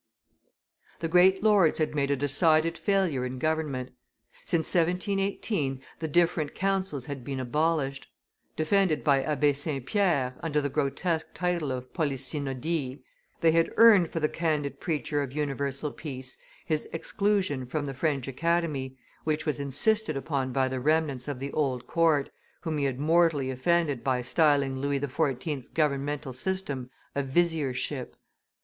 The great lords had made a decided failure in government. Since 1718, the different councils had been abolished; defended by Abbe St. Pierre, under the grotesque title of Polysynodie, they had earned for the candid preacher of universal peace his exclusion from the French Academy, which was insisted upon by the remnants of the old court, whom he had mortally offended by styling Louis XIV.'s governmental system a viziership.